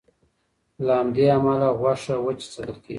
له همدې امله غوښه وچه ساتل کېږي.